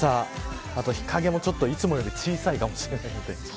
あとは日陰もいつもより小さいかもしれません。